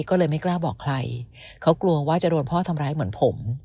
ก็เลยไม่กล้าบอกใครเขากลัวว่าจะโดนพ่อทำร้ายเหมือนผม